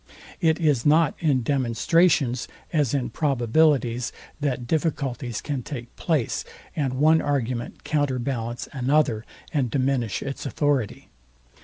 It is not in demonstrations as in probabilities, that difficulties can take place, and one argument counter ballance another, and diminish its authority.